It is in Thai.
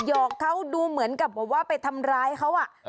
หอกเขาดูเหมือนกับแบบว่าไปทำร้ายเขา